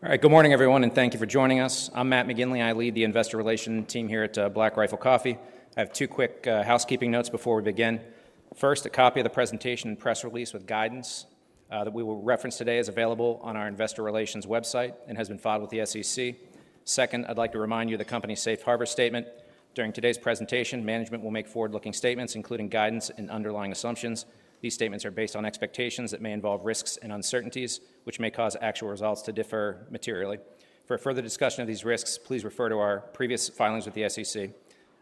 All right, good morning, everyone, and thank you for joining us. I'm Matt McGinley. I lead the investor relations team here at Black Rifle Coffee. I have two quick housekeeping notes before we begin. First, a copy of the presentation and press release with guidance that we will reference today is available on our investor relations website and has been filed with the SEC. Second, I'd like to remind you of the company's safe harbor statement. During today's presentation, management will make forward-looking statements, including guidance and underlying assumptions. These statements are based on expectations that may involve risks and uncertainties, which may cause actual results to differ materially. For further discussion of these risks, please refer to our previous filings with the SEC.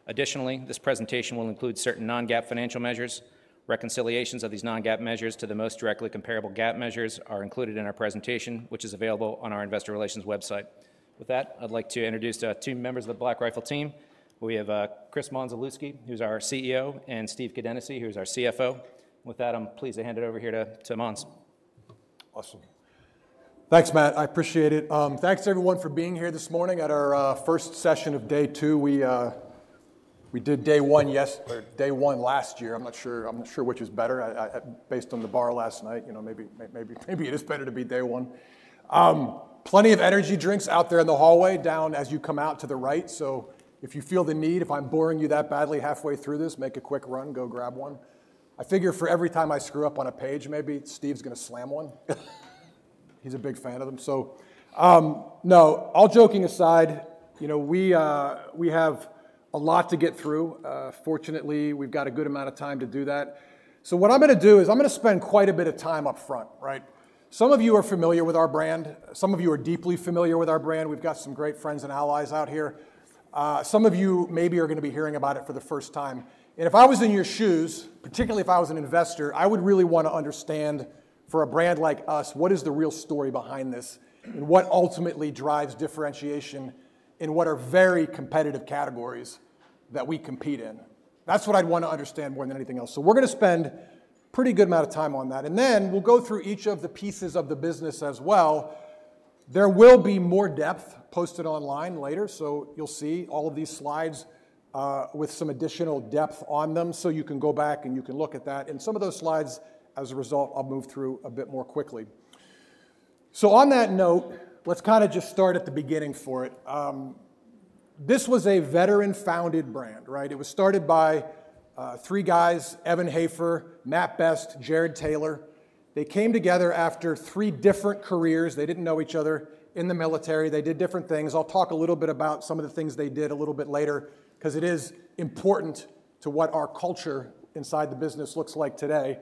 Additionally, this presentation will include certain non-GAAP financial measures. Reconciliations of these non-GAAP measures to the most directly comparable GAAP measures are included in our presentation, which is available on our investor relations website. With that, I'd like to introduce two members of the Black Rifle team. We have Chris Mondzelewski, who's our CEO, and Steve Kadenacy, who's our CFO. With that, I'm pleased to hand it over here to Mondz. Awesome. Thanks, Matt. I appreciate it. Thanks, everyone, for being here this morning at our first session of day two. We did day one yesterday, day one last year. I'm not sure which is better. Based on the bar last night, maybe it is better to be day one. Plenty of energy drinks out there in the hallway, down as you come out to the right. So if you feel the need, if I'm boring you that badly halfway through this, make a quick run, go grab one. I figure for every time I screw up on a page, maybe Steve's going to slam one. He's a big fan of them. So no, all joking aside, we have a lot to get through. Fortunately, we've got a good amount of time to do that. So what I'm going to do is I'm going to spend quite a bit of time up front. Some of you are familiar with our brand. Some of you are deeply familiar with our brand. We've got some great friends and allies out here. Some of you maybe are going to be hearing about it for the first time. And if I was in your shoes, particularly if I was an investor, I would really want to understand for a brand like us, what is the real story behind this and what ultimately drives differentiation in what are very competitive categories that we compete in. That's what I'd want to understand more than anything else. So we're going to spend a pretty good amount of time on that. And then we'll go through each of the pieces of the business as well. There will be more depth posted online later. So you'll see all of these slides with some additional depth on them. So you can go back and you can look at that. And some of those slides, as a result, I'll move through a bit more quickly. So on that note, let's kind of just start at the beginning for it. This was a veteran-founded brand. It was started by three guys: Evan Hafer, Mat Best, Jarred Taylor. They came together after three different careers. They didn't know each other in the military. They did different things. I'll talk a little bit about some of the things they did a little bit later because it is important to what our culture inside the business looks like today.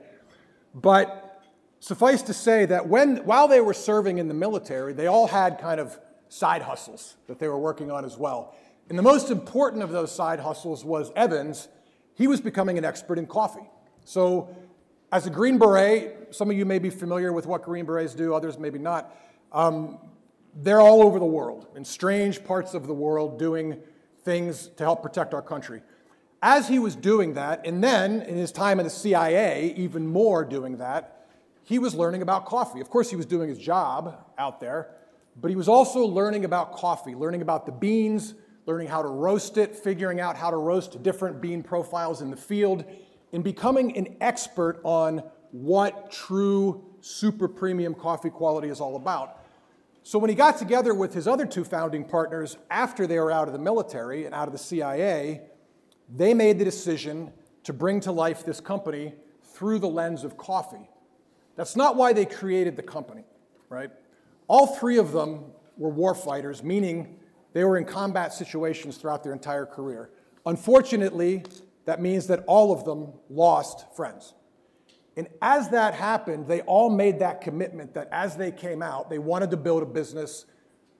But suffice to say that while they were serving in the military, they all had kind of side hustles that they were working on as well. And the most important of those side hustles was Evan's. He was becoming an expert in coffee. So as a Green Beret, some of you may be familiar with what Green Berets do, others maybe not. They're all over the world in strange parts of the world doing things to help protect our country. As he was doing that, and then in his time in the CIA, even more doing that, he was learning about coffee. Of course, he was doing his job out there, but he was also learning about coffee, learning about the beans, learning how to roast it, figuring out how to roast different bean profiles in the field, and becoming an expert on what true super premium coffee quality is all about. So when he got together with his other two founding partners after they were out of the military and out of the CIA, they made the decision to bring to life this company through the lens of coffee. That's not why they created the company. All three of them were warfighters, meaning they were in combat situations throughout their entire career. Unfortunately, that means that all of them lost friends. And as that happened, they all made that commitment that as they came out, they wanted to build a business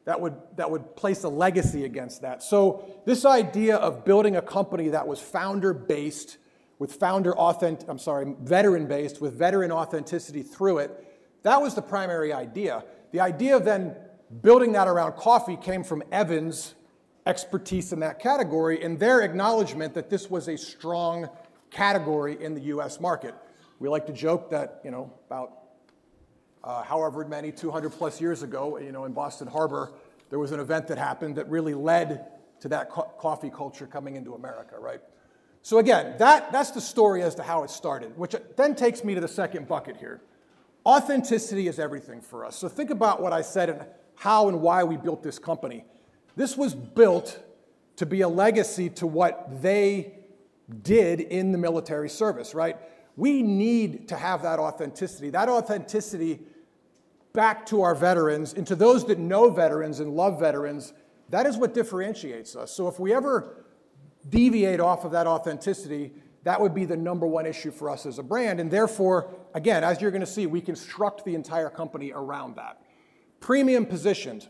that would place a legacy against that. So this idea of building a company that was founder-based with founder authenticity, I'm sorry, veteran-based with veteran authenticity through it, that was the primary idea. The idea of then building that around coffee came from Evan's expertise in that category and their acknowledgement that this was a strong category in the U.S. market. We like to joke that about however many 200+ years ago in Boston Harbor, there was an event that happened that really led to that coffee culture coming into America. So again, that's the story as to how it started, which then takes me to the second bucket here. Authenticity is everything for us. So think about what I said and how and why we built this company. This was built to be a legacy to what they did in the military service. We need to have that authenticity. That authenticity back to our veterans and to those that know veterans and love veterans, that is what differentiates us. If we ever deviate off of that authenticity, that would be the number one issue for us as a brand. And therefore, again, as you're going to see, we construct the entire company around that. Premium positioned.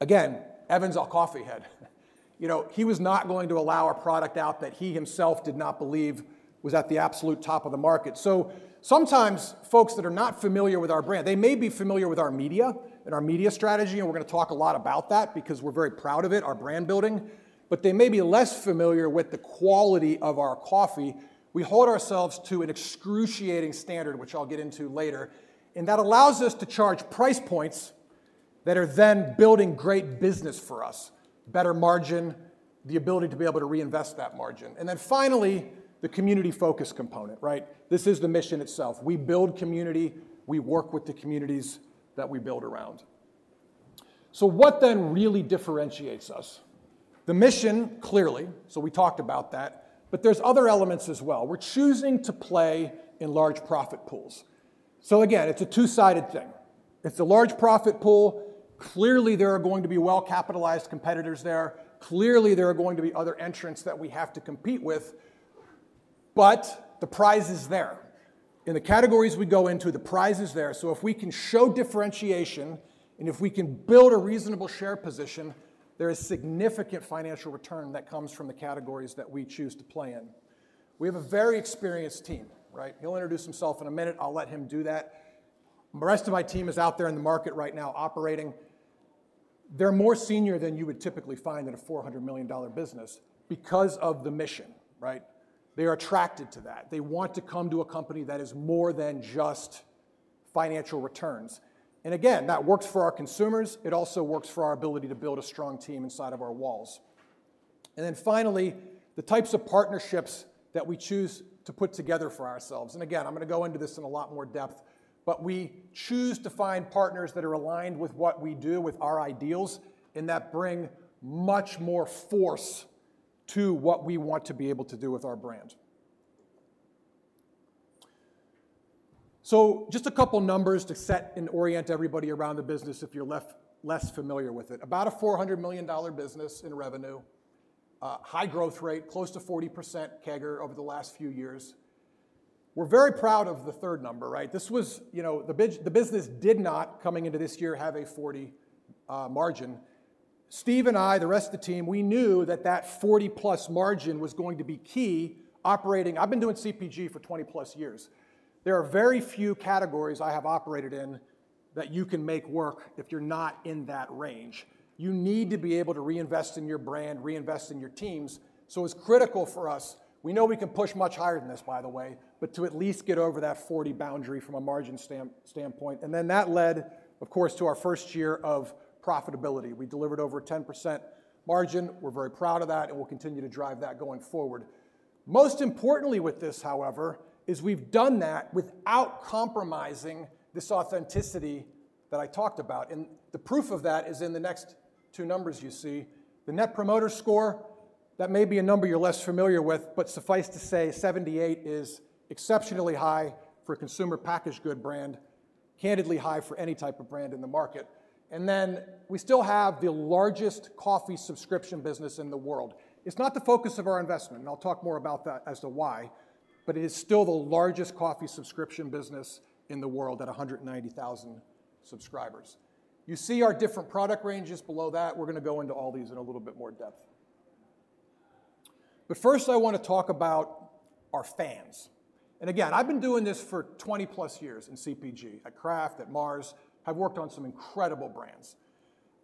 Again, Evan's a coffee head. He was not going to allow a product out that he himself did not believe was at the absolute top of the market. So sometimes folks that are not familiar with our brand, they may be familiar with our media and our media strategy, and we're going to talk a lot about that because we're very proud of it, our brand building. But they may be less familiar with the quality of our coffee. We hold ourselves to an excruciating standard, which I'll get into later. And that allows us to charge price points that are then building great business for us, better margin, the ability to be able to reinvest that margin. And then finally, the community-focused component. This is the mission itself. We build community. We work with the communities that we build around. So what then really differentiates us? The mission, clearly, so we talked about that, but there's other elements as well. We're choosing to play in large profit pools. So again, it's a two-sided thing. It's a large profit pool. Clearly, there are going to be well-capitalized competitors there. Clearly, there are going to be other entrants that we have to compete with. But the prize is there. In the categories we go into, the prize is there. So if we can show differentiation and if we can build a reasonable share position, there is significant financial return that comes from the categories that we choose to play in. We have a very experienced team. He'll introduce himself in a minute. I'll let him do that. The rest of my team is out there in the market right now operating. They're more senior than you would typically find in a $400 million business because of the mission. They are attracted to that. They want to come to a company that is more than just financial returns. And again, that works for our consumers. It also works for our ability to build a strong team inside of our walls. And then finally, the types of partnerships that we choose to put together for ourselves. And again, I'm going to go into this in a lot more depth, but we choose to find partners that are aligned with what we do, with our ideals, and that bring much more force to what we want to be able to do with our brand. So just a couple of numbers to set and orient everybody around the business if you're less familiar with it. About a $400 million business in revenue, high growth rate, close to 40% CAGR over the last few years. We're very proud of the third number. This, the business did not, coming into this year, have a 40% margin. Steve and I, the rest of the team, we knew that that 40+% margin was going to be key operating. I've been doing CPG for 20+ years. There are very few categories I have operated in that you can make work if you're not in that range. You need to be able to reinvest in your brand, reinvest in your teams. So it was critical for us. We know we can push much higher than this, by the way, but to at least get over that 40 boundary from a margin standpoint. And then that led, of course, to our first year of profitability. We delivered over a 10% margin. We're very proud of that and will continue to drive that going forward. Most importantly with this, however, is we've done that without compromising this authenticity that I talked about. And the proof of that is in the next two numbers you see. The Net Promoter Score, that may be a number you're less familiar with, but suffice to say, 78 is exceptionally high for a consumer packaged goods brand, candidly high for any type of brand in the market, and then we still have the largest coffee subscription business in the world. It's not the focus of our investment, and I'll talk more about that as to why, but it is still the largest coffee subscription business in the world at 190,000 subscribers. You see our different product ranges below that. We're going to go into all these in a little bit more depth, but first, I want to talk about our fans, and again, I've been doing this for 20+ years in CPG at Kraft, at Mars. I've worked on some incredible brands.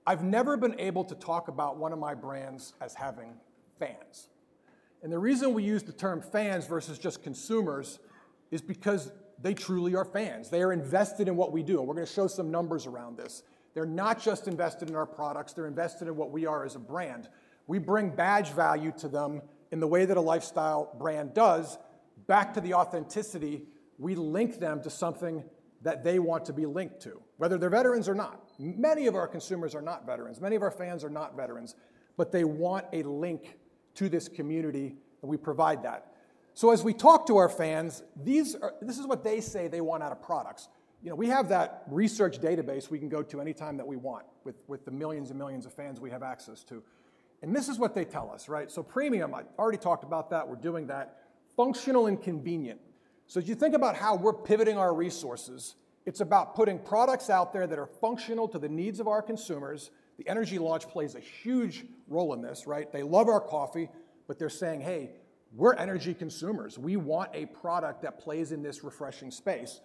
I've never been able to talk about one of my brands as having fans. And the reason we use the term fans versus just consumers is because they truly are fans. They are invested in what we do. We're going to show some numbers around this. They're not just invested in our products. They're invested in what we are as a brand. We bring badge value to them in the way that a lifestyle brand does back to the authenticity. We link them to something that they want to be linked to, whether they're veterans or not. Many of our consumers are not veterans. Many of our fans are not veterans, but they want a link to this community that we provide that. So as we talk to our fans, this is what they say they want out of products. We have that research database we can go to anytime that we want with the millions and millions of fans we have access to. This is what they tell us. Premium, I already talked about that. We're doing that. Functional and convenient. As you think about how we're pivoting our resources, it's about putting products out there that are functional to the needs of our consumers. The energy launch plays a huge role in this. They love our coffee, but they're saying, "Hey, we're energy consumers. We want a product that plays in this refreshing space."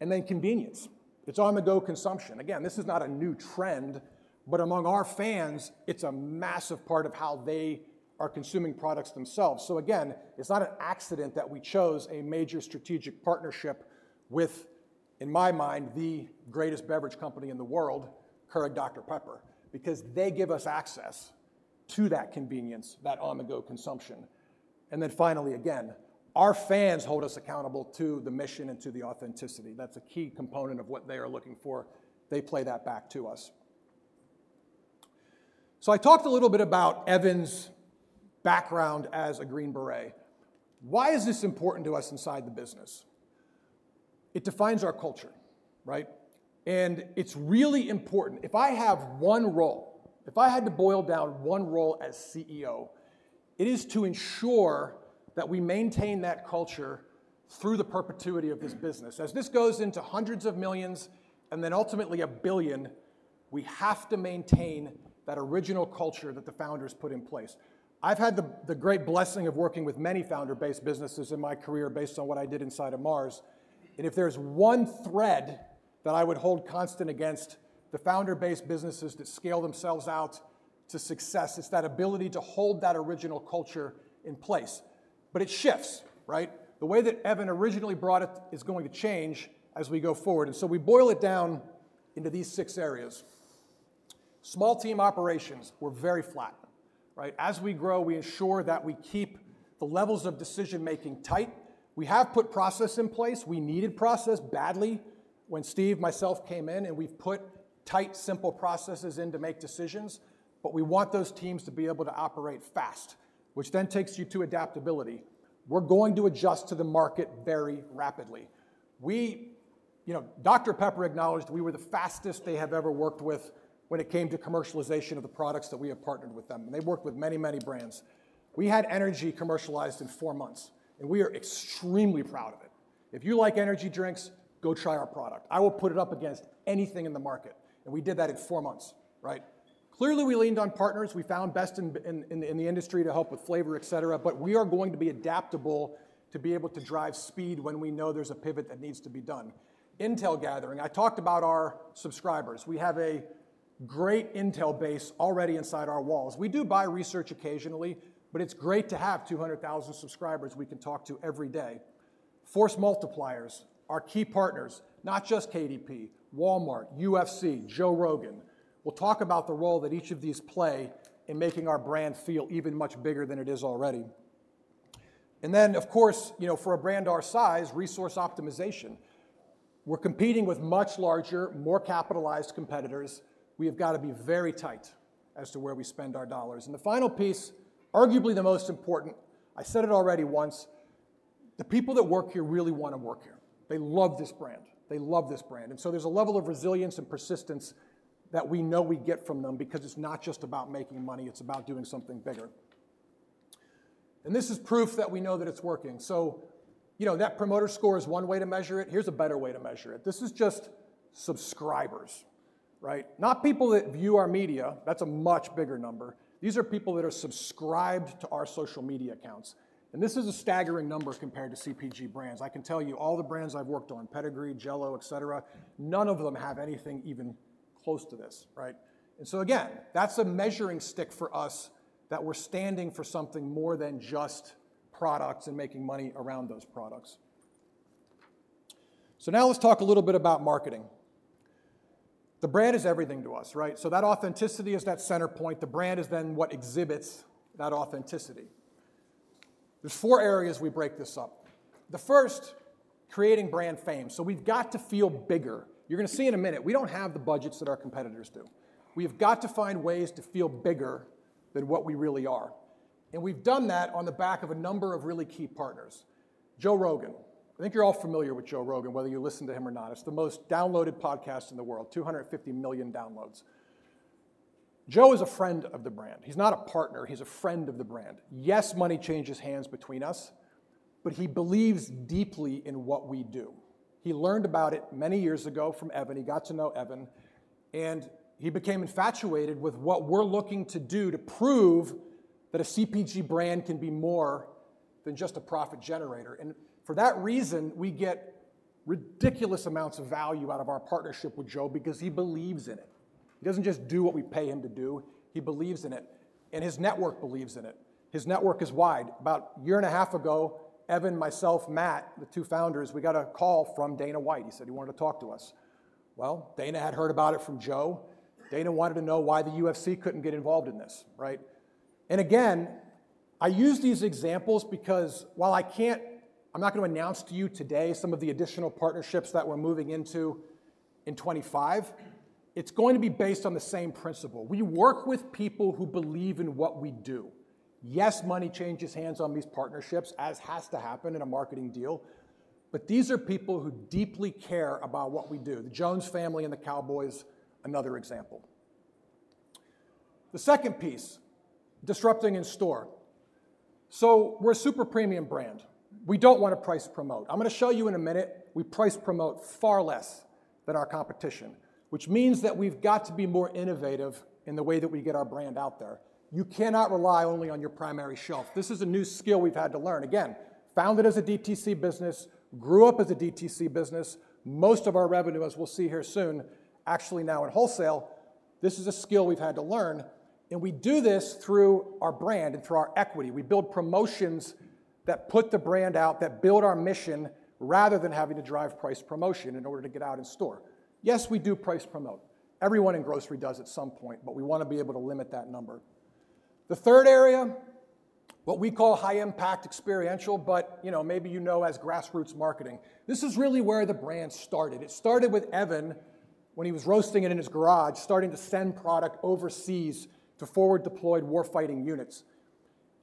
And then convenience. It's on-the-go consumption. Again, this is not a new trend, but among our fans, it's a massive part of how they are consuming products themselves. Again, it's not an accident that we chose a major strategic partnership with, in my mind, the greatest beverage company in the world, Keurig Dr Pepper, because they give us access to that convenience, that on-the-go consumption. And then finally, again, our fans hold us accountable to the mission and to the authenticity. That's a key component of what they are looking for. They play that back to us. So I talked a little bit about Evan's background as a Green Beret. Why is this important to us inside the business? It defines our culture. And it's really important. If I have one role, if I had to boil down one role as CEO, it is to ensure that we maintain that culture through the perpetuity of this business. As this goes into hundreds of millions and then ultimately a billion, we have to maintain that original culture that the founders put in place. I've had the great blessing of working with many founder-based businesses in my career based on what I did inside of Mars. And if there's one thread that I would hold constant against the founder-based businesses that scale themselves out to success, it's that ability to hold that original culture in place. But it shifts. The way that Evan originally brought it is going to change as we go forward. And so we boil it down into these six areas. Small team operations were very flat. As we grow, we ensure that we keep the levels of decision-making tight. We have put process in place. We needed process badly when Steve, myself came in, and we've put tight, simple processes in to make decisions. But we want those teams to be able to operate fast, which then takes you to adaptability. We're going to adjust to the market very rapidly. Dr Pepper acknowledged we were the fastest they have ever worked with when it came to commercialization of the products that we have partnered with them, and they've worked with many, many brands. We had energy commercialized in four months, and we are extremely proud of it. If you like energy drinks, go try our product. I will put it up against anything in the market, and we did that in four months. Clearly, we leaned on partners. We found best in the industry to help with flavor, etc., but we are going to be adaptable to be able to drive speed when we know there's a pivot that needs to be done. Intel gathering. I talked about our subscribers. We have a great Intel base already inside our walls. We do buy research occasionally, but it's great to have 200,000 subscribers we can talk to every day. Force multipliers, our key partners, not just KDP, Walmart, UFC, Joe Rogan. We'll talk about the role that each of these play in making our brand feel even much bigger than it is already. And then, of course, for a brand our size, resource optimization. We're competing with much larger, more capitalized competitors. We have got to be very tight as to where we spend our dollars. And the final piece, arguably the most important, I said it already once, the people that work here really want to work here. They love this brand. They love this brand. And so there's a level of resilience and persistence that we know we get from them because it's not just about making money. It's about doing something bigger. And this is proof that we know that it's working. So that promoter score is one way to measure it. Here's a better way to measure it. This is just subscribers, not people that view our media. That's a much bigger number. These are people that are subscribed to our social media accounts. And this is a staggering number compared to CPG brands. I can tell you all the brands I've worked on, Pedigree, Jell-O, etc., none of them have anything even close to this. And so again, that's a measuring stick for us that we're standing for something more than just products and making money around those products. So now let's talk a little bit about marketing. The brand is everything to us. So that authenticity is that center point. The brand is then what exhibits that authenticity. There's four areas we break this up. The first, creating brand fame. So we've got to feel bigger. You're going to see in a minute. We don't have the budgets that our competitors do. We have got to find ways to feel bigger than what we really are. And we've done that on the back of a number of really key partners. Joe Rogan. I think you're all familiar with Joe Rogan, whether you listen to him or not. It's the most downloaded podcast in the world, 250 million downloads. Joe is a friend of the brand. He's not a partner. He's a friend of the brand. Yes, money changes hands between us, but he believes deeply in what we do. He learned about it many years ago from Evan. He got to know Evan, and he became infatuated with what we're looking to do to prove that a CPG brand can be more than just a profit generator. For that reason, we get ridiculous amounts of value out of our partnership with Joe because he believes in it. He doesn't just do what we pay him to do. He believes in it. And his network believes in it. His network is wide. About a year and a half ago, Evan, myself, Matt, the two founders, we got a call from Dana White. He said he wanted to talk to us. Well, Dana had heard about it from Joe. Dana wanted to know why the UFC couldn't get involved in this. And again, I use these examples because while I can't, I'm not going to announce to you today some of the additional partnerships that we're moving into in 2025, it's going to be based on the same principle. We work with people who believe in what we do. Yes, money changes hands on these partnerships, as has to happen in a marketing deal, but these are people who deeply care about what we do. The Jones family and the Cowboys are another example. The second piece, disrupting in store. So we're a super premium brand. We don't want to price promote. I'm going to show you in a minute. We price promote far less than our competition, which means that we've got to be more innovative in the way that we get our brand out there. You cannot rely only on your primary shelf. This is a new skill we've had to learn. Again, founded as a DTC business, grew up as a DTC business. Most of our revenue, as we'll see here soon, actually now in wholesale, this is a skill we've had to learn, and we do this through our brand and through our equity. We build promotions that put the brand out, that build our mission rather than having to drive price promotion in order to get out in store. Yes, we do price promote. Everyone in grocery does at some point, but we want to be able to limit that number. The third area, what we call high-impact experiential, but maybe you know as grassroots marketing. This is really where the brand started. It started with Evan when he was roasting it in his garage, starting to send product overseas to forward-deployed warfighting units,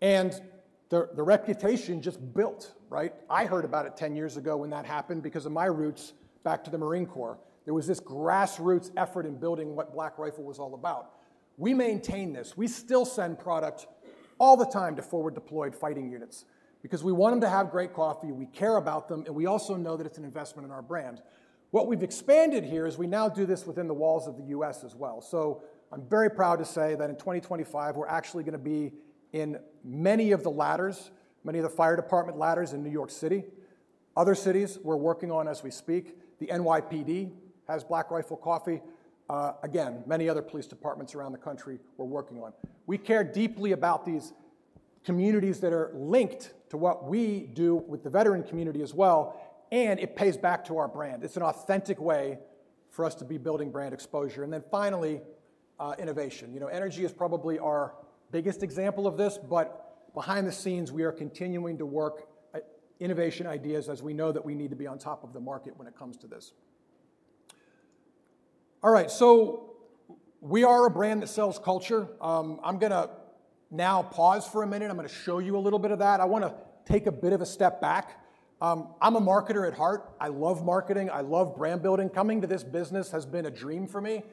and the reputation just built. I heard about it 10 years ago when that happened because of my roots back to the Marine Corps. There was this grassroots effort in building what Black Rifle was all about. We maintain this. We still send product all the time to forward-deployed fighting units because we want them to have great coffee. We care about them, and we also know that it's an investment in our brand. What we've expanded here is we now do this within the walls of the U.S. as well. So I'm very proud to say that in 2025, we're actually going to be in many of the ladders, many of the fire department ladders in New York City. Other cities we're working on as we speak. The NYPD has Black Rifle Coffee. Again, many other police departments around the country we're working on. We care deeply about these communities that are linked to what we do with the veteran community as well, and it pays back to our brand. It's an authentic way for us to be building brand exposure. And then finally, innovation. Energy is probably our biggest example of this, but behind the scenes, we are continuing to work innovation ideas as we know that we need to be on top of the market when it comes to this. All right. So we are a brand that sells culture. I'm going to now pause for a minute. I'm going to show you a little bit of that. I want to take a bit of a step back. I'm a marketer at heart. I love marketing. I love brand building. Coming to this business has been a dream for me.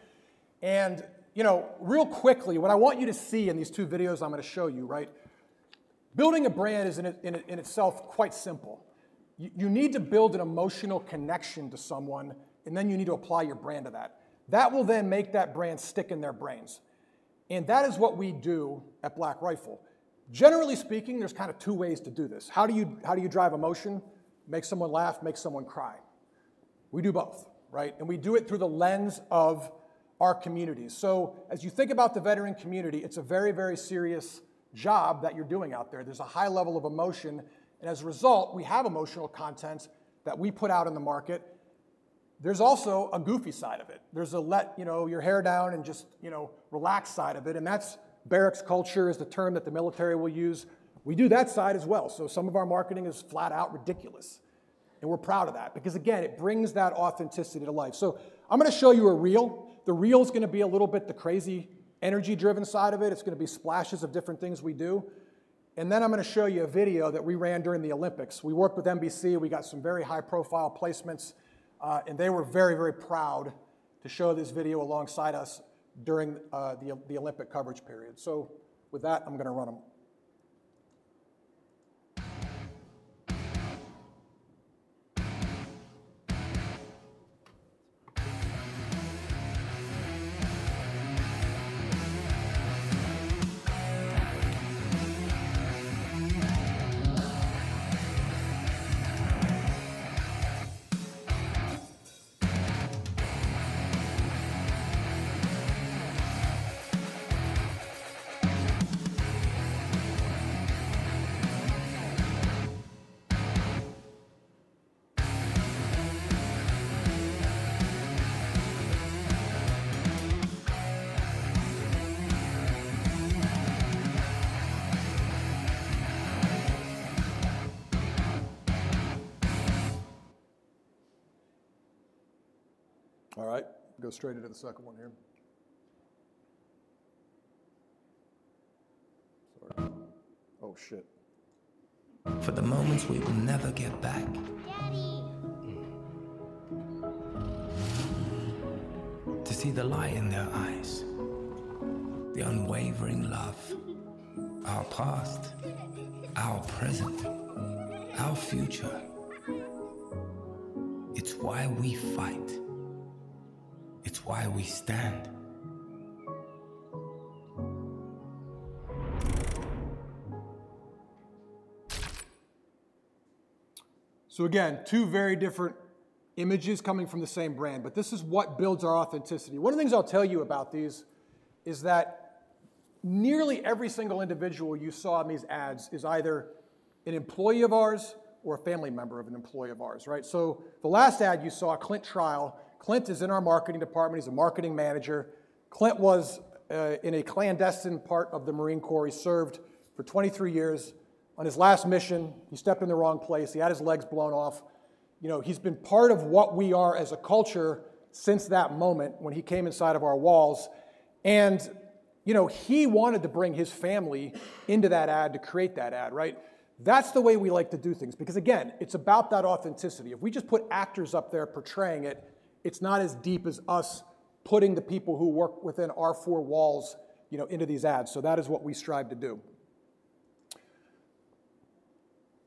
And real quickly, what I want you to see in these two videos I'm going to show you, building a brand is in itself quite simple. You need to build an emotional connection to someone, and then you need to apply your brand to that. That will then make that brand stick in their brains, and that is what we do at Black Rifle. Generally speaking, there's kind of two ways to do this: how do you drive emotion? Make someone laugh, make someone cry. We do both, and we do it through the lens of our community. So, as you think about the veteran community, it's a very, very serious job that you're doing out there. There's a high level of emotion, and as a result, we have emotional content that we put out in the market. There's also a goofy side of it. There's a let your hair down and just relax side of it, and that's barracks culture, the term that the military will use. We do that side as well, so some of our marketing is flat out ridiculous. And we're proud of that because, again, it brings that authenticity to life. So I'm going to show you a reel. The reel is going to be a little bit the crazy energy-driven side of it. It's going to be splashes of different things we do. And then I'm going to show you a video that we ran during the Olympics. We worked with NBC. We got some very high-profile placements, and they were very, very proud to show this video alongside us during the Olympic coverage period. So with that, I'm going to run them. All right. Go straight into the second one here. Sorry. Oh, shit. For the moments we will never get back. Daddy. To see the light in their eyes, the unwavering love, our past, our present, our future. It's why we fight. It's why we stand. So again, two very different images coming from the same brand, but this is what builds our authenticity. One of the things I'll tell you about these is that nearly every single individual you saw in these ads is either an employee of ours or a family member of an employee of ours. So the last ad you saw, Clint Trial. Clint is in our marketing department. He's a marketing manager. Clint was in a clandestine part of the Marine Corps. He served for 23 years. On his last mission, he stepped in the wrong place. He had his legs blown off. He's been part of what we are as a culture since that moment when he came inside of our walls, and he wanted to bring his family into that ad to create that ad. That's the way we like to do things because, again, it's about that authenticity. If we just put actors up there portraying it, it's not as deep as us putting the people who work within our four walls into these ads. So that is what we strive to do.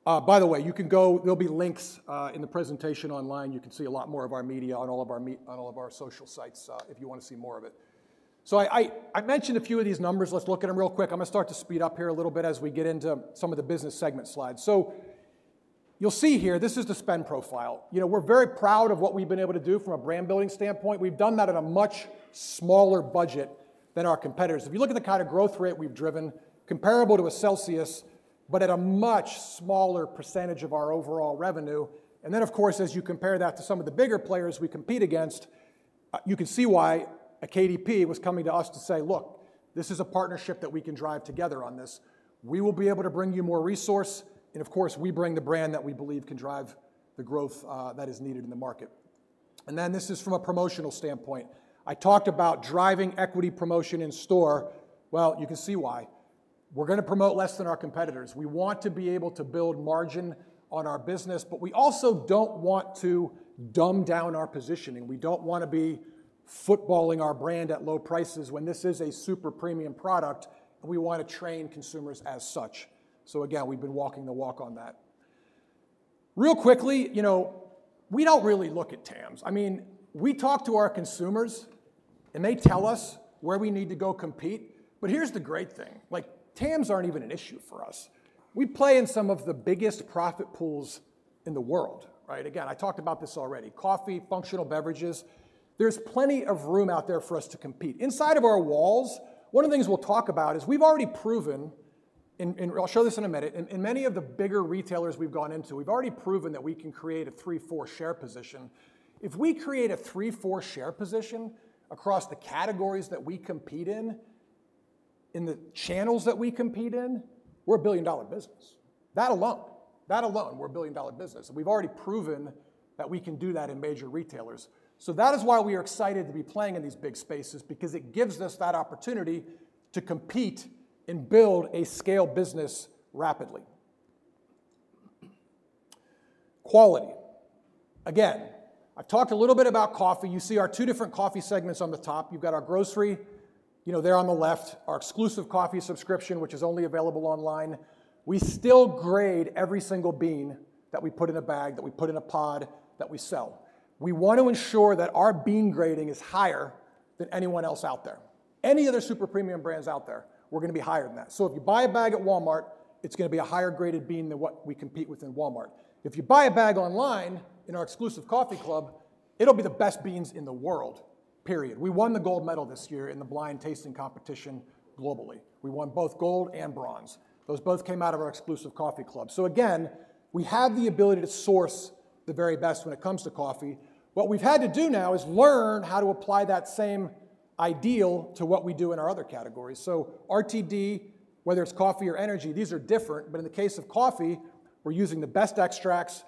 By the way, there'll be links in the presentation online. You can see a lot more of our media on all of our social sites if you want to see more of it. So I mentioned a few of these numbers. Let's look at them real quick. I'm going to start to speed up here a little bit as we get into some of the business segment slides. So you'll see here, this is the spend profile. We're very proud of what we've been able to do from a brand building standpoint. We've done that at a much smaller budget than our competitors. If you look at the kind of growth rate we've driven, comparable to a Celsius, but at a much smaller percentage of our overall revenue. And then, of course, as you compare that to some of the bigger players we compete against, you can see why a KDP was coming to us to say, "Look, this is a partnership that we can drive together on this. We will be able to bring you more resource." And of course, we bring the brand that we believe can drive the growth that is needed in the market. And then this is from a promotional standpoint. I talked about driving equity promotion in store. Well, you can see why. We're going to promote less than our competitors. We want to be able to build margin on our business, but we also don't want to dumb down our positioning. We don't want to be focusing our brand at low prices when this is a super premium product, and we want to train consumers as such. So again, we've been walking the walk on that. Real quickly, we don't really look at TAMs. I mean, we talk to our consumers, and they tell us where we need to go compete. But here's the great thing. TAMs aren't even an issue for us. We play in some of the biggest profit pools in the world. Again, I talked about this already. Coffee, functional beverages, there's plenty of room out there for us to compete. Inside of our walls, one of the things we'll talk about is we've already proven, and I'll show this in a minute. In many of the bigger retailers we've gone into, we've already proven that we can create a three, four share position. If we create a three, four share position across the categories that we compete in, in the channels that we compete in, we're a billion-dollar business. That alone, that alone, we're a billion-dollar business, and we've already proven that we can do that in major retailers, so that is why we are excited to be playing in these big spaces because it gives us that opportunity to compete and build a scale business rapidly. Quality. Again, I've talked a little bit about coffee. You see our two different coffee segments on the top. You've got our grocery there on the left, our exclusive coffee subscription, which is only available online. We still grade every single bean that we put in a bag, that we put in a pod, that we sell. We want to ensure that our bean grading is higher than anyone else out there. Any other super premium brands out there, we're going to be higher than that. So if you buy a bag at Walmart, it's going to be a higher graded bean than what we compete with in Walmart. If you buy a bag online in our exclusive coffee club, it'll be the best beans in the world, period. We won the gold medal this year in the blind tasting competition globally. We won both gold and bronze. Those both came out of our exclusive coffee club. So again, we have the ability to source the very best when it comes to coffee. What we've had to do now is learn how to apply that same ideal to what we do in our other categories. So RTD, whether it's coffee or energy, these are different. But in the case of coffee, we're using the best extracts.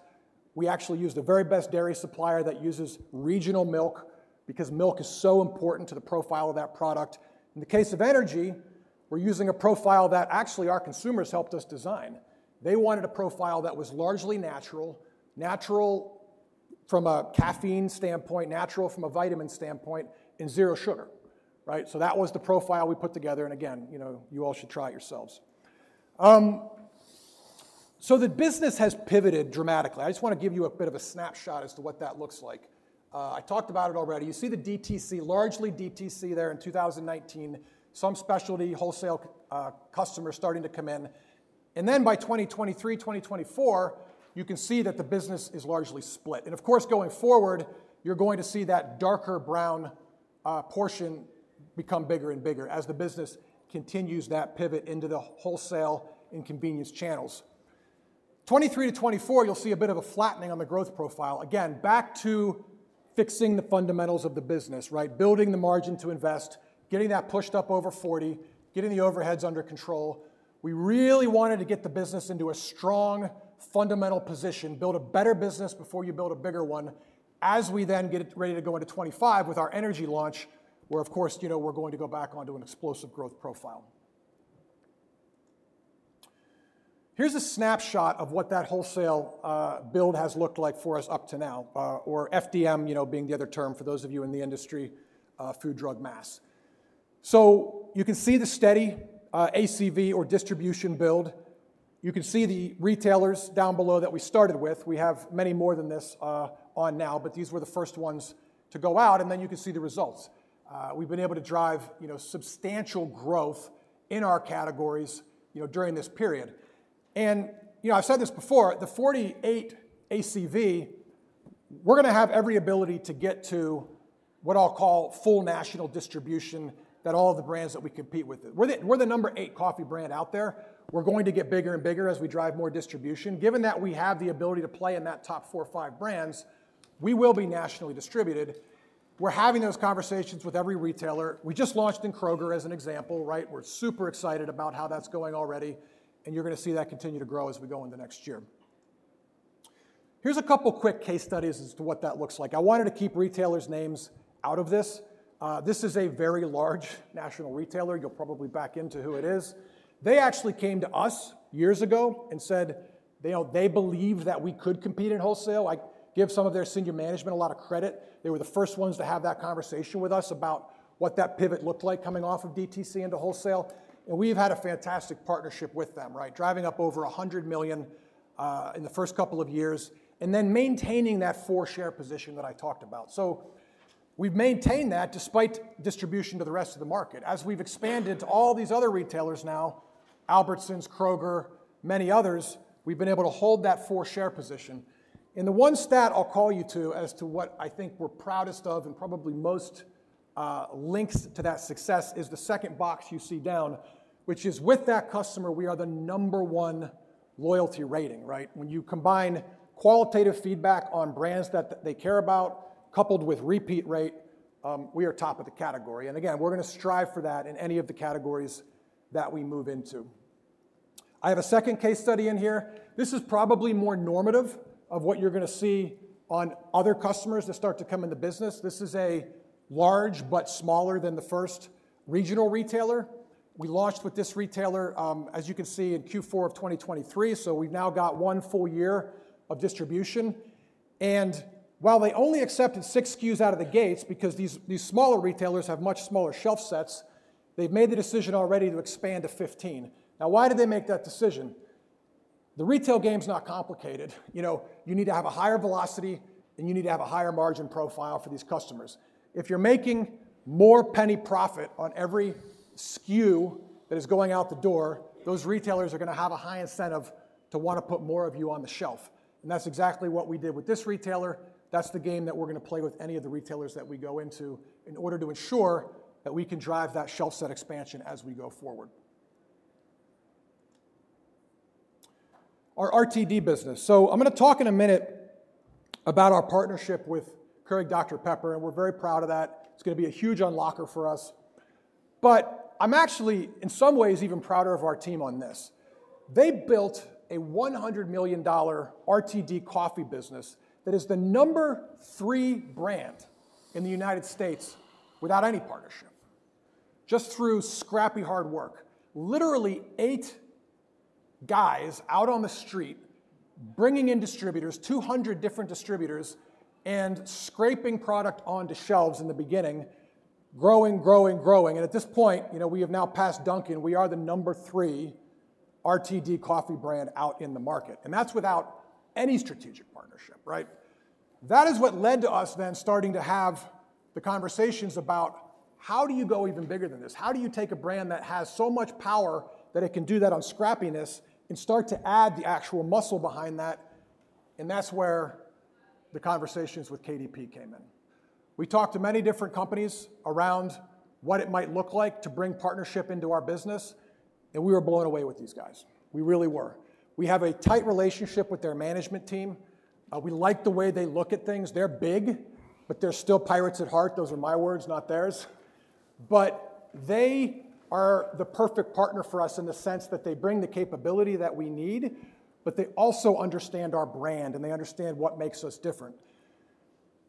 We actually use the very best dairy supplier that uses regional milk because milk is so important to the profile of that product. In the case of energy, we're using a profile that actually our consumers helped us design. They wanted a profile that was largely natural, natural from a caffeine standpoint, natural from a vitamin standpoint, and zero sugar. So that was the profile we put together, and again, you all should try it yourselves, so the business has pivoted dramatically. I just want to give you a bit of a snapshot as to what that looks like. I talked about it already. You see the DTC, largely DTC there in 2019, some specialty wholesale customers starting to come in, and then by 2023, 2024, you can see that the business is largely split. Of course, going forward, you're going to see that darker brown portion become bigger and bigger as the business continues that pivot into the wholesale and convenience channels. From 2023 to 2024, you'll see a bit of a flattening on the growth profile. Again, back to fixing the fundamentals of the business, building the margin to invest, getting that pushed up over 40%, getting the overheads under control. We really wanted to get the business into a strong fundamental position, build a better business before you build a bigger one. As we then get ready to go into 2025 with our energy launch, where, of course, we're going to go back onto an explosive growth profile. Here's a snapshot of what that wholesale build has looked like for us up to now, or FDM being the other term for those of you in the industry, food, drug, and mass. So you can see the steady ACV or distribution build. You can see the retailers down below that we started with. We have many more than this on now, but these were the first ones to go out. And then you can see the results. We've been able to drive substantial growth in our categories during this period. And I've said this before, the 48 ACV, we're going to have every ability to get to what I'll call full national distribution that all of the brands that we compete with. We're the number eight coffee brand out there. We're going to get bigger and bigger as we drive more distribution. Given that we have the ability to play in that top four or five brands, we will be nationally distributed. We're having those conversations with every retailer. We just launched in Kroger as an example. We're super excited about how that's going already, and you're going to see that continue to grow as we go into next year. Here's a couple of quick case studies as to what that looks like. I wanted to keep retailers' names out of this. This is a very large national retailer. You'll probably back into who it is. They actually came to us years ago and said they believe that we could compete in wholesale. I give some of their senior management a lot of credit. They were the first ones to have that conversation with us about what that pivot looked like coming off of DTC into wholesale, and we've had a fantastic partnership with them, driving up over $100 million in the first couple of years and then maintaining that four-share position that I talked about. So we've maintained that despite distribution to the rest of the market. As we've expanded to all these other retailers now, Albertsons, Kroger, many others, we've been able to hold that four-share position. And the one stat I'll call out to you as to what I think we're proudest of and probably most links to that success is the second box you see down, which is with that customer, we are the number one loyalty rating. When you combine qualitative feedback on brands that they care about, coupled with repeat rate, we are top of the category. And again, we're going to strive for that in any of the categories that we move into. I have a second case study in here. This is probably more normative of what you're going to see on other customers that start to come in the business. This is a large but smaller than the first regional retailer. We launched with this retailer, as you can see, in Q4 of 2023. So we've now got one full year of distribution. And while they only accepted six SKUs out of the gates because these smaller retailers have much smaller shelf sets, they've made the decision already to expand to 15. Now, why did they make that decision? The retail game's not complicated. You need to have a higher velocity, and you need to have a higher margin profile for these customers. If you're making more penny profit on every SKU that is going out the door, those retailers are going to have a high incentive to want to put more of you on the shelf. And that's exactly what we did with this retailer. That's the game that we're going to play with any of the retailers that we go into in order to ensure that we can drive that shelf set expansion as we go forward. Our RTD business. So I'm going to talk in a minute about our partnership with Keurig Dr Pepper, and we're very proud of that. It's going to be a huge unlocker for us. But I'm actually, in some ways, even prouder of our team on this. They built a $100 million RTD coffee business that is the number three brand in the United States without any partnership, just through scrappy hard work. Literally eight guys out on the street bringing in distributors, 200 different distributors, and scraping product onto shelves in the beginning, growing, growing, growing. And at this point, we have now passed Dunkin'. We are the number three RTD coffee brand out in the market. And that's without any strategic partnership. That is what led to us then starting to have the conversations about how do you go even bigger than this? How do you take a brand that has so much power that it can do that on scrappiness and start to add the actual muscle behind that? And that's where the conversations with KDP came in. We talked to many different companies around what it might look like to bring partnership into our business. And we were blown away with these guys. We really were. We have a tight relationship with their management team. We like the way they look at things. They're big, but they're still pirates at heart. Those are my words, not theirs. But they are the perfect partner for us in the sense that they bring the capability that we need, but they also understand our brand, and they understand what makes us different.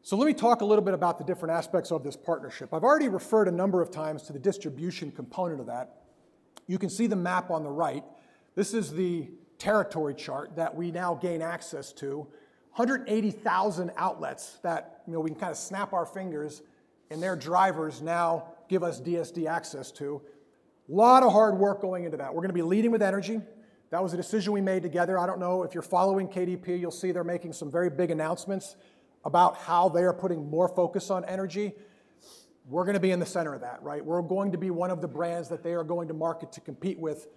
So let me talk a little bit about the different aspects of this partnership. I've already referred a number of times to the distribution component of that. You can see the map on the right. This is the territory chart that we now gain access to, 180,000 outlets that we can kind of snap our fingers, and their drivers now give us DSD access to. A lot of hard work going into that. We're going to be leading with energy. That was a decision we made together. I don't know if you're following KDP. You'll see they're making some very big announcements about how they are putting more focus on energy. We're going to be in the center of that. We're going to be one of the brands that they are going to market to compete with.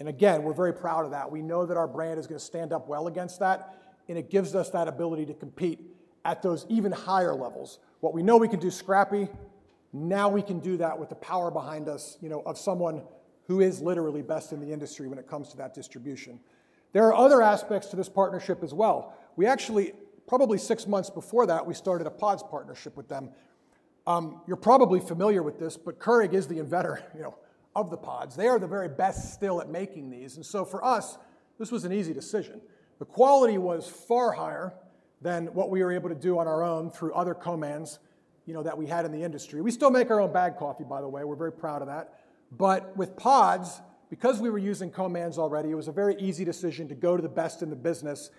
And again, we're very proud of that. We know that our brand is going to stand up well against that, and it gives us that ability to compete at those even higher levels. What we know we can do scrappy, now we can do that with the power behind us of someone who is literally best in the industry when it comes to that distribution. There are other aspects to this partnership as well. We actually, probably six months before that, we started a pods partnership with them. You're probably familiar with this, but Keurig is the inventor of the pods. They are the very best still at making these. And so for us, this was an easy decision. The quality was far higher than what we were able to do on our own through other co-mans that we had in the industry. We still make our own bagged coffee, by the way. We're very proud of that. But with pods, because we were using co-mans already, it was a very easy decision to go to the best in the business.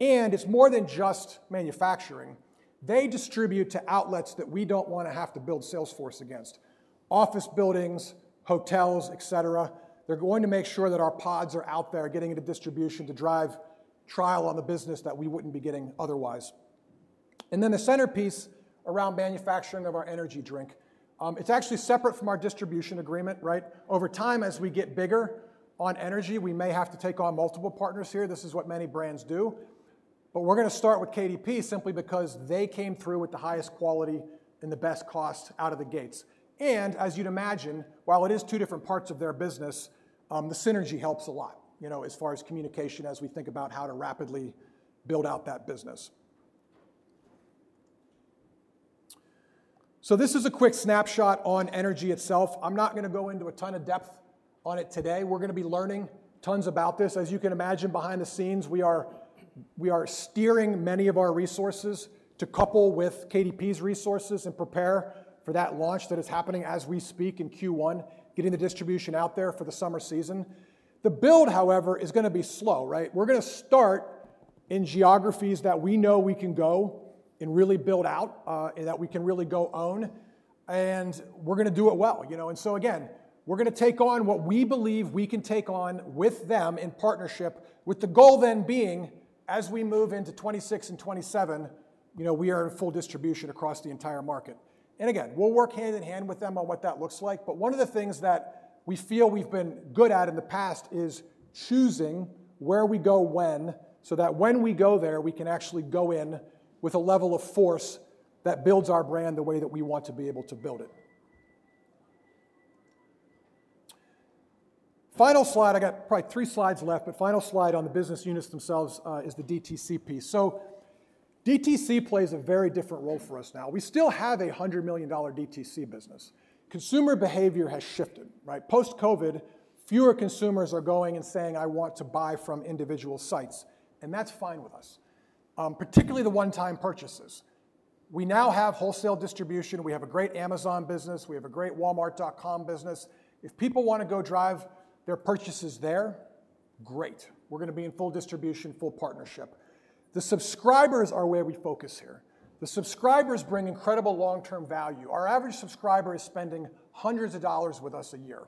And it's more than just manufacturing. They distribute to outlets that we don't want to have to build sales force against, office buildings, hotels, etc. They're going to make sure that our pods are out there getting into distribution to drive trial on the business that we wouldn't be getting otherwise. And then the centerpiece around manufacturing of our energy drink, it's actually separate from our distribution agreement. Over time, as we get bigger on energy, we may have to take on multiple partners here. This is what many brands do. But we're going to start with KDP simply because they came through with the highest quality and the best cost out of the gates. And as you'd imagine, while it is two different parts of their business, the synergy helps a lot as far as communication as we think about how to rapidly build out that business. So this is a quick snapshot on energy itself. I'm not going to go into a ton of depth on it today. We're going to be learning tons about this. As you can imagine, behind the scenes, we are steering many of our resources to couple with KDP's resources and prepare for that launch that is happening as we speak in Q1, getting the distribution out there for the summer season. The build, however, is going to be slow. We're going to start in geographies that we know we can go and really build out and that we can really go own. And we're going to do it well. And so again, we're going to take on what we believe we can take on with them in partnership, with the goal then being as we move into 2026 and 2027, we are in full distribution across the entire market. And again, we'll work hand in hand with them on what that looks like. But one of the things that we feel we've been good at in the past is choosing where we go when so that when we go there, we can actually go in with a level of force that builds our brand the way that we want to be able to build it. Final slide. I got probably three slides left, but final slide on the business units themselves is the DTC piece. So DTC plays a very different role for us now. We still have a $100 million DTC business. Consumer behavior has shifted. Post-COVID, fewer consumers are going and saying, "I want to buy from individual sites." And that's fine with us, particularly the one-time purchases. We now have wholesale distribution. We have a great Amazon business. We have a great Walmart.com business. If people want to go drive their purchases there, great. We're going to be in full distribution, full partnership. The subscribers are where we focus here. The subscribers bring incredible long-term value. Our average subscriber is spending hundreds of dollars with us a year.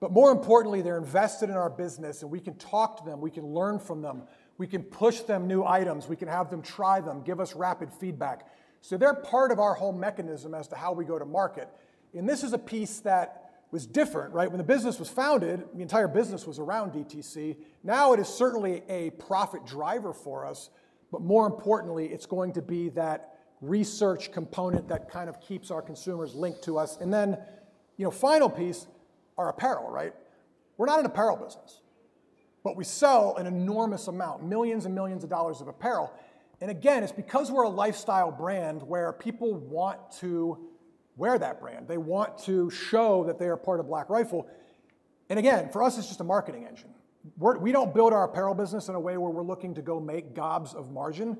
But more importantly, they're invested in our business, and we can talk to them. We can learn from them. We can push them new items. We can have them try them, give us rapid feedback so they're part of our whole mechanism as to how we go to market, and this is a piece that was different. When the business was founded, the entire business was around DTC. Now it is certainly a profit driver for us, but more importantly, it's going to be that research component that kind of keeps our consumers linked to us, and then final piece, our apparel. We're not an apparel business, but we sell an enormous amount, millions and millions of dollars of apparel, and again, it's because we're a lifestyle brand where people want to wear that brand. They want to show that they are part of Black Rifle, and again, for us, it's just a marketing engine. We don't build our apparel business in a way where we're looking to go make gobs of margin.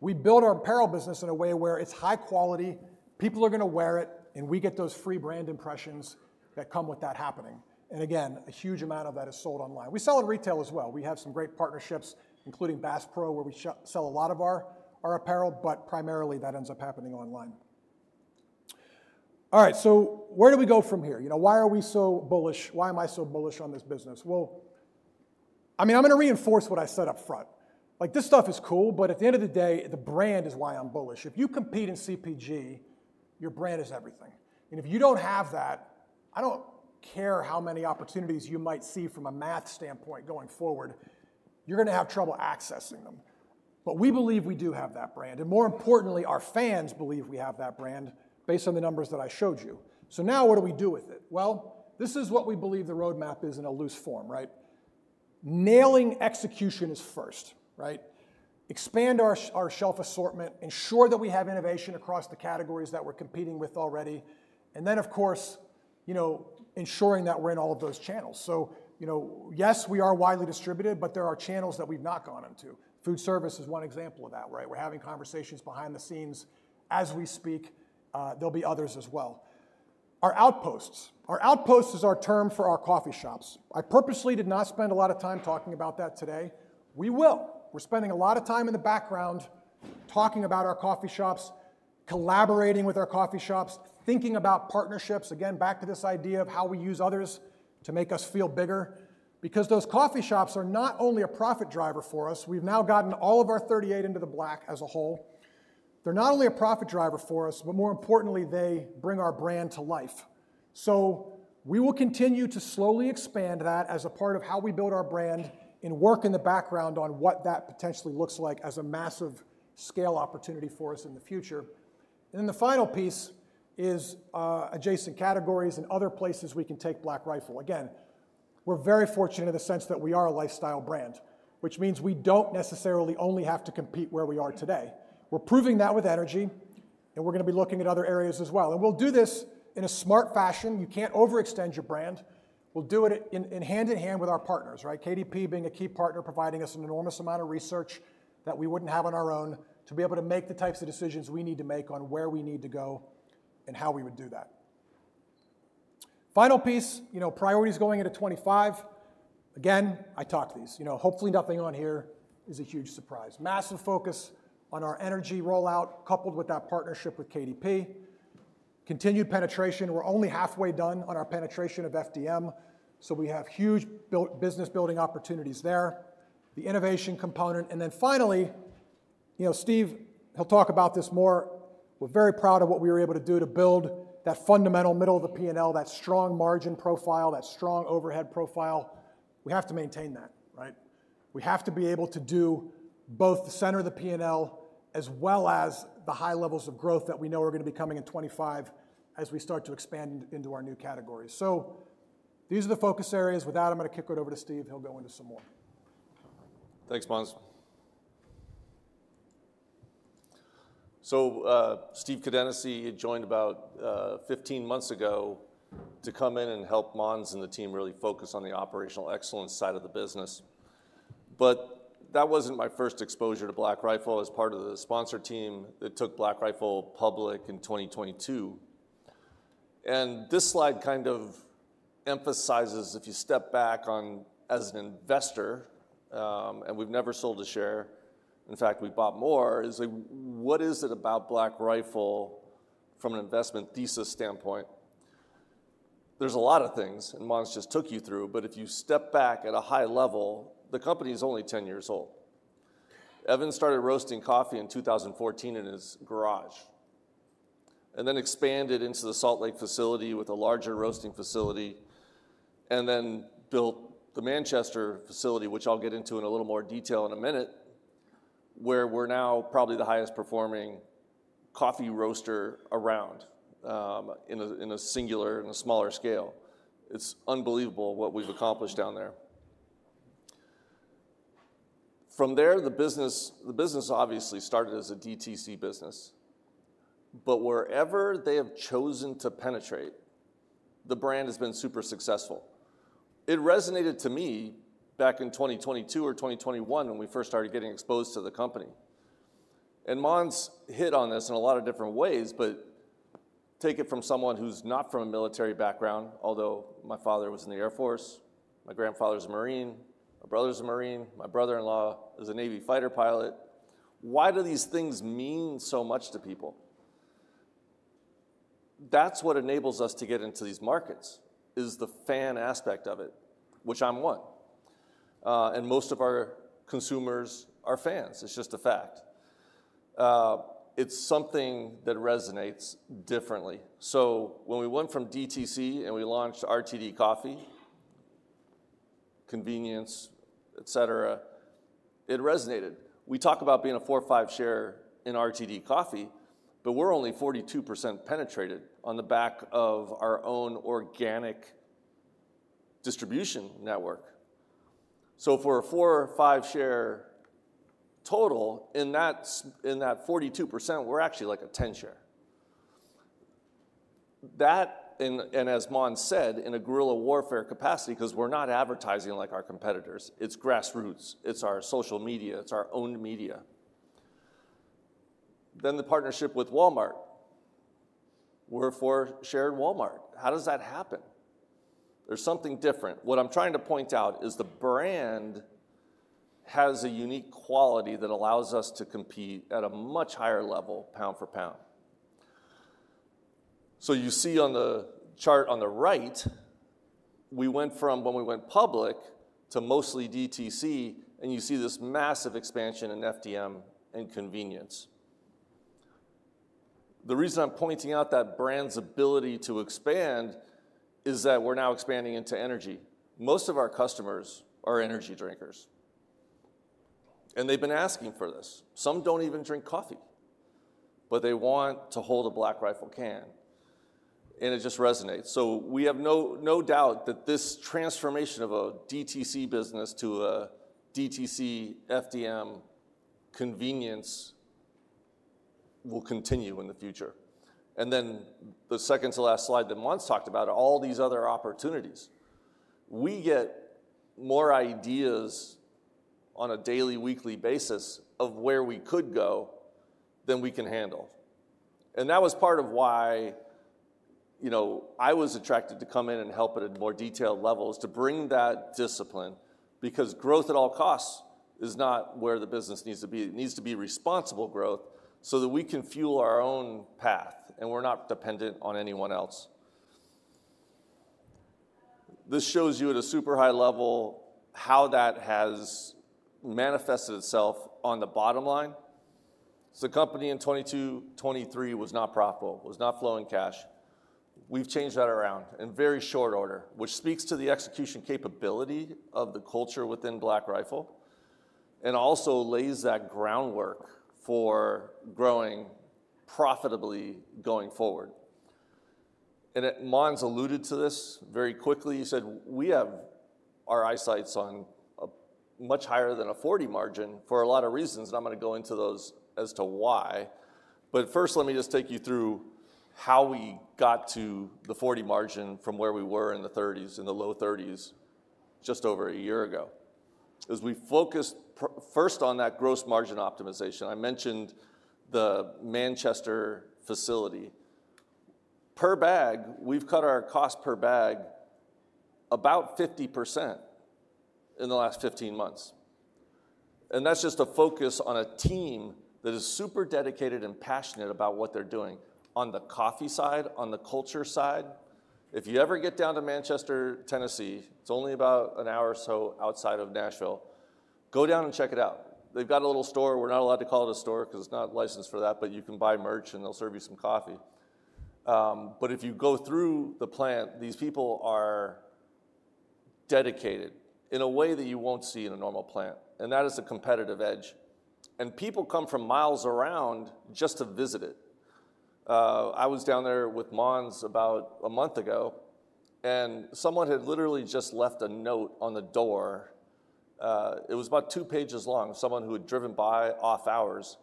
We build our apparel business in a way where it's high quality. People are going to wear it, and we get those free brand impressions that come with that happening. And again, a huge amount of that is sold online. We sell in retail as well. We have some great partnerships, including Bass Pro, where we sell a lot of our apparel, but primarily that ends up happening online. All right, so where do we go from here? Why are we so bullish? Why am I so bullish on this business? Well, I mean, I'm going to reinforce what I said upfront. This stuff is cool, but at the end of the day, the brand is why I'm bullish. If you compete in CPG, your brand is everything. And if you don't have that, I don't care how many opportunities you might see from a math standpoint going forward, you're going to have trouble accessing them. But we believe we do have that brand. And more importantly, our fans believe we have that brand based on the numbers that I showed you. So now what do we do with it? Well, this is what we believe the roadmap is in a loose form. Nailing execution is first. Expand our shelf assortment, ensure that we have innovation across the categories that we're competing with already, and then, of course, ensuring that we're in all of those channels. So yes, we are widely distributed, but there are channels that we've not gone into. Food service is one example of that. We're having conversations behind the scenes as we speak. There'll be others as well. Our Outposts. Our outpost is our term for our coffee shops. I purposely did not spend a lot of time talking about that today. We will. We're spending a lot of time in the background talking about our coffee shops, collaborating with our coffee shops, thinking about partnerships. Again, back to this idea of how we use others to make us feel bigger. Because those coffee shops are not only a profit driver for us, we've now gotten all of our 38 into the black as a whole. They're not only a profit driver for us, but more importantly, they bring our brand to life. So we will continue to slowly expand that as a part of how we build our brand and work in the background on what that potentially looks like as a massive scale opportunity for us in the future. And then the final piece is adjacent categories and other places we can take Black Rifle. Again, we're very fortunate in the sense that we are a lifestyle brand, which means we don't necessarily only have to compete where we are today. We're proving that with energy, and we're going to be looking at other areas as well. And we'll do this in a smart fashion. You can't overextend your brand. We'll do it hand in hand with our partners, KDP being a key partner, providing us an enormous amount of research that we wouldn't have on our own to be able to make the types of decisions we need to make on where we need to go and how we would do that. Final piece, priorities going into 2025. Again, I talk these. Hopefully, nothing on here is a huge surprise. Massive focus on our energy rollout coupled with that partnership with KDP. Continued penetration. We're only halfway done on our penetration of FDM, so we have huge business-building opportunities there. The innovation component. And then finally, Steve, he'll talk about this more. We're very proud of what we were able to do to build that fundamental middle of the P&L, that strong margin profile, that strong overhead profile. We have to maintain that. We have to be able to do both the center of the P&L as well as the high levels of growth that we know are going to be coming in 2025 as we start to expand into our new categories. So these are the focus areas. With that, I'm going to kick it over to Steve. He'll go into some more. Thanks, Måns. So Steve Kadenacy joined about 15 months ago to come in and help Måns and the team really focus on the operational excellence side of the business. But that wasn't my first exposure to Black Rifle. I was part of the sponsor team that took Black Rifle public in 2022. And this slide kind of emphasizes, if you step back as an investor, and we've never sold a share. In fact, we bought more. It's like, what is it about Black Rifle from an investment thesis standpoint? There's a lot of things, and Måns just took you through, but if you step back at a high level, the company is only 10 years old. Evan started roasting coffee in 2014 in his garage, and then expanded into the Salt Lake facility with a larger roasting facility, and then built the Manchester facility, which I'll get into in a little more detail in a minute, where we're now probably the highest performing coffee roaster around in a singular and a smaller scale. It's unbelievable what we've accomplished down there. From there, the business obviously started as a DTC business, but wherever they have chosen to penetrate, the brand has been super successful. It resonated to me back in 2022 or 2021 when we first started getting exposed to the company. Måns hit on this in a lot of different ways, but take it from someone who's not from a military background, although my father was in the Air Force, my grandfather's a Marine, my brother's a Marine, my brother-in-law is a Navy fighter pilot. Why do these things mean so much to people? That's what enables us to get into these markets is the fan aspect of it, which I'm one. And most of our consumers are fans. It's just a fact. It's something that resonates differently. So when we went from DTC and we launched RTD Coffee, convenience, etc., it resonated. We talk about being a four or five share in RTD Coffee, but we're only 42% penetrated on the back of our own organic distribution network. So for a four or five share total in that 42%, we're actually like a 10 share. That, and as Måns said, in a guerrilla warfare capacity, because we're not advertising like our competitors, it's grassroots. It's our social media. It's our own media. Then the partnership with Walmart. We're a four share at Walmart. How does that happen? There's something different. What I'm trying to point out is the brand has a unique quality that allows us to compete at a much higher level pound for pound, so you see on the chart on the right, we went from when we went public to mostly DTC, and you see this massive expansion in FDM and convenience. The reason I'm pointing out that brand's ability to expand is that we're now expanding into energy. Most of our customers are energy drinkers, and they've been asking for this. Some don't even drink coffee, but they want to hold a Black Rifle can, and it just resonates, so we have no doubt that this transformation of a DTC business to a DTC FDM convenience will continue in the future, and then the second to last slide that Måns talked about, all these other opportunities. We get more ideas on a daily, weekly basis of where we could go than we can handle. And that was part of why I was attracted to come in and help at a more detailed level is to bring that discipline because growth at all costs is not where the business needs to be. It needs to be responsible growth so that we can fuel our own path and we're not dependent on anyone else. This shows you at a super high level how that has manifested itself on the bottom line. So the company in 2022, 2023 was not profitable, was not flowing cash. We've changed that around in very short order, which speaks to the execution capability of the culture within Black Rifle and also lays that groundwork for growing profitably going forward. And Måns alluded to this very quickly. He said, "We have our sights on a much higher than 40% margin for a lot of reasons." And I'm going to go into those as to why. But first, let me just take you through how we got to the 40% margin from where we were in the 30s and the low 30s just over a year ago. As we focused first on that gross margin optimization, I mentioned the Manchester facility. Per bag, we've cut our cost per bag about 50% in the last 15 months. And that's just a focus on a team that is super dedicated and passionate about what they're doing on the coffee side, on the culture side. If you ever get down to Manchester, Tennessee, it's only about an hour or so outside of Nashville. Go down and check it out. They've got a little store. We're not allowed to call it a store because it's not licensed for that, but you can buy merch and they'll serve you some coffee. But if you go through the plant, these people are dedicated in a way that you won't see in a normal plant. And that is a competitive edge. And people come from miles around just to visit it. I was down there with Måns about a month ago, and someone had literally just left a note on the door. It was about two pages long, someone who had driven by off hours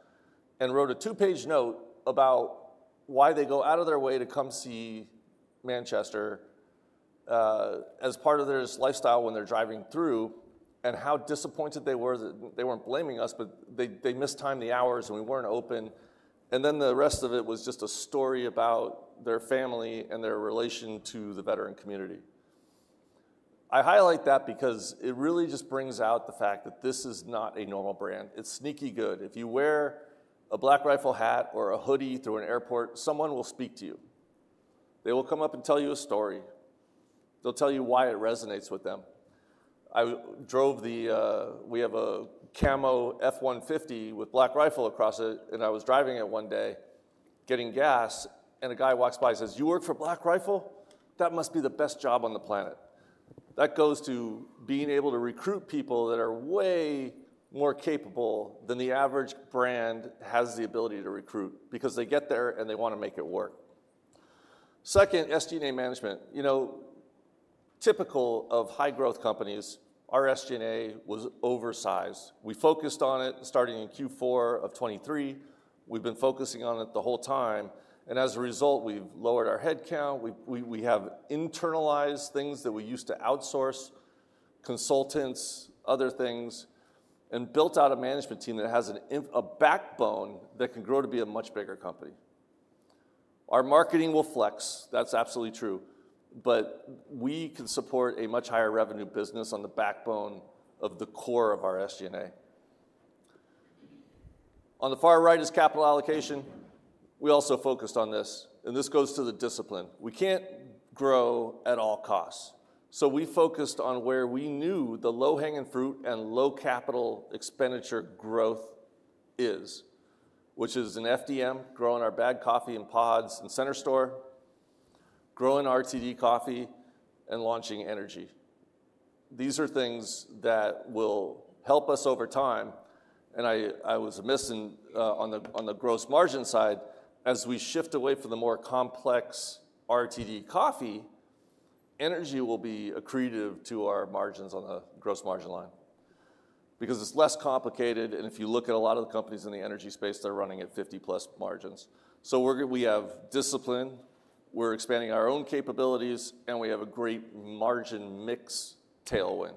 and wrote a two-page note about why they go out of their way to come see Manchester as part of their lifestyle when they're driving through and how disappointed they were. They weren't blaming us, but they missed the hours and we weren't open. Then the rest of it was just a story about their family and their relation to the veteran community. I highlight that because it really just brings out the fact that this is not a normal brand. It's sneaky good. If you wear a Black Rifle hat or a hoodie through an airport, someone will speak to you. They will come up and tell you a story. They'll tell you why it resonates with them. We have a Camo F-150 with Black Rifle across it, and I was driving it one day getting gas, and a guy walks by and says, "You work for Black Rifle? That must be the best job on the planet." That goes to being able to recruit people that are way more capable than the average brand has the ability to recruit because they get there and they want to make it work. Second, SG&A management. Typical of high-growth companies, our SG&A was oversized. We focused on it starting in Q4 of 2023. We've been focusing on it the whole time, and as a result, we've lowered our headcount. We have internalized things that we used to outsource, consultants, other things, and built out a management team that has a backbone that can grow to be a much bigger company. Our marketing will flex. That's absolutely true, but we can support a much higher revenue business on the backbone of the core of our SG&A. On the far right is capital allocation. We also focused on this, and this goes to the discipline. We can't grow at all costs. We focused on where we knew the low-hanging fruit and low capital expenditure growth is, which is in FDM, growing our bagged coffee in pods and center store, growing RTD coffee, and launching energy. These are things that will help us over time. I was missing on the gross margin side. As we shift away from the more complex RTD coffee, energy will be accretive to our margins on the gross margin line because it's less complicated. If you look at a lot of the companies in the energy space, they're running at 50+ margins. We have discipline. We're expanding our own capabilities, and we have a great margin mix tailwind.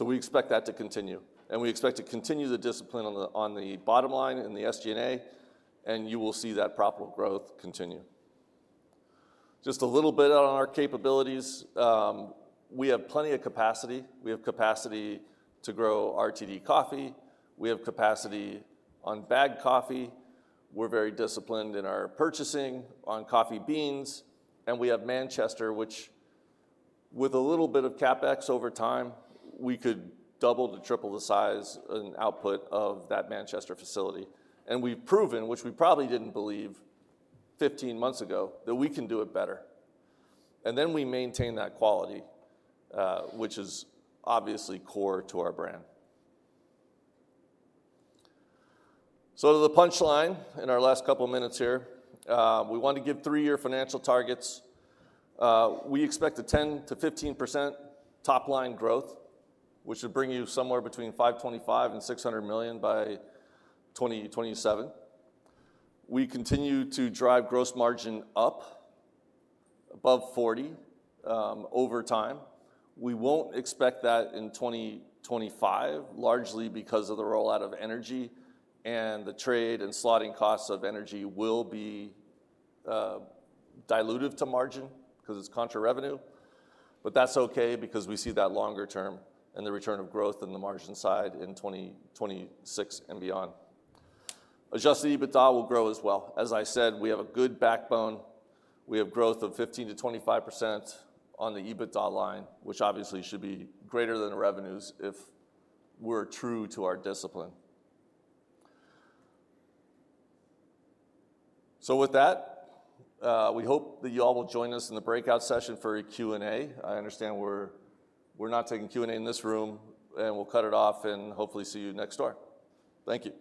We expect that to continue. We expect to continue the discipline on the bottom line in the SG&A, and you will see that profitable growth continue. Just a little bit on our capabilities. We have plenty of capacity. We have capacity to grow RTD coffee. We have capacity on bagged coffee. We're very disciplined in our purchasing on coffee beans, and we have Manchester, which with a little bit of CapEx over time, we could double to triple the size and output of that Manchester facility, and we've proven, which we probably didn't believe 15 months ago, that we can do it better, and then we maintain that quality, which is obviously core to our brand, so the punchline in our last couple of minutes here, we want to give three-year financial targets. We expect a 10%-15% top-line growth, which would bring you somewhere between $525 million and $600 million by 2027. We continue to drive gross margin up above 40% over time. We won't expect that in 2025, largely because of the rollout of energy and the trade and slotting costs of energy will be dilutive to margin because it's contra-revenue. But that's okay because we see that longer term and the return of growth in the margin side in 2026 and beyond. Adjusted EBITDA will grow as well. As I said, we have a good backbone. We have growth of 15%–25% on the EBITDA line, which obviously should be greater than the revenues if we're true to our discipline. So with that, we hope that you all will join us in the breakout session for a Q&A. I understand we're not taking Q&A in this room, and we'll cut it off and hopefully see you next door. Thank you.